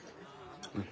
うん。